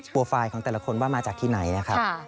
ไฟล์ของแต่ละคนว่ามาจากที่ไหนนะครับ